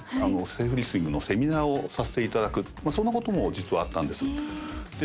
セーフリスニングのセミナーをさせていただくそんなことも実はあったんですで